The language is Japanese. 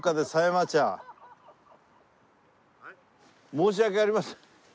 申し訳ありません。